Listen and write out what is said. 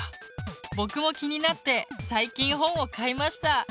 僕も気になって最近本を買いました。